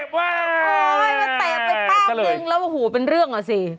เตะไปป้ามยิงแล้วหูเป็นเรื่องเหรอสิ